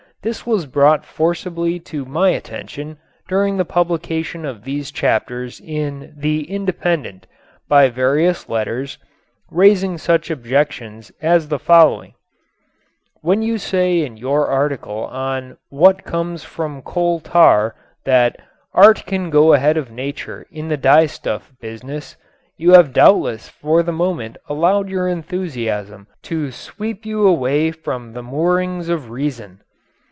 This was brought forcibly to my attention during the publication of these chapters in "The Independent" by various letters, raising such objections as the following: When you say in your article on "What Comes from Coal Tar" that "Art can go ahead of nature in the dyestuff business" you have doubtless for the moment allowed your enthusiasm to sweep you away from the moorings of reason.